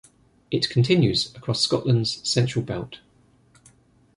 It continues across Scotland's Central Belt.